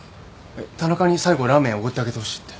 田中に最後ラーメンおごってあげてほしいって。